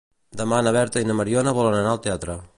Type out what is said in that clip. Demà na Berta i na Mariona volen anar al teatre.